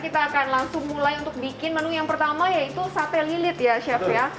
kita akan langsung mulai untuk bikin menu yang pertama yaitu sate lilit ya chef ya